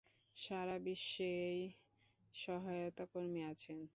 সাড়া বিশ্বেই সহায়তা কর্মী আছেন।